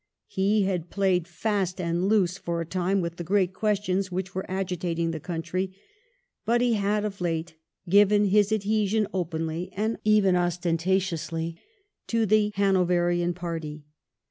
He had played fast and loose for a time with the great questions which were agitating the country, but he had of late given his adhesion openly, and even ostentatiously, to the Hanoverian party.